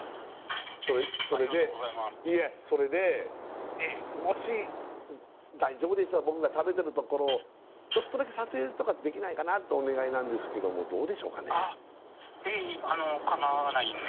それでいえそれでもし大丈夫でしたら僕が食べてるところをちょっとだけ撮影できないかなってお願いなんですけどもどうでしょうかね？